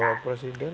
kalau dibawa presiden